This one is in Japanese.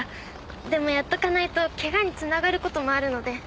でもやっとかないと怪我に繋がる事もあるので。